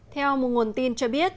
theo một nguồn tin cho biết